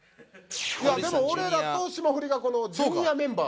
でも俺らと霜降りがこのＪｒ．メンバー。